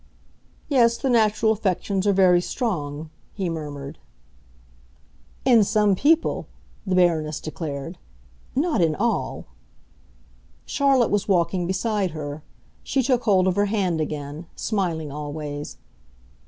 "Yes, the natural affections are very strong," he murmured. "In some people," the Baroness declared. "Not in all." Charlotte was walking beside her; she took hold of her hand again, smiling always.